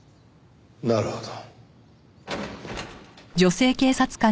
なるほど。